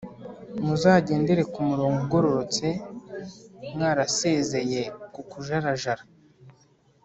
muzagendere ku murongo ugororotse, mwarasezeye kukujarajara.